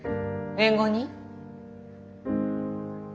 弁護人？